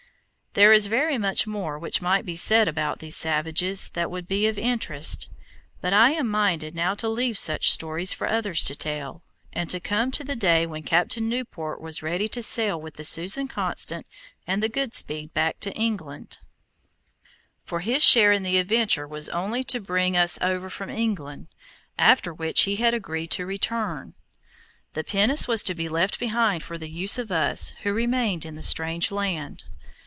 There is very much more which might be said about these savages that would be of interest; but I am minded now to leave such stories for others to tell, and come to the day when Captain Newport was ready to sail with the Susan Constant and the Goodspeed back to England, for his share in the adventure was only to bring us over from England, after which he had agreed to return. The pinnace was to be left behind for the use of us who remained in the strange land.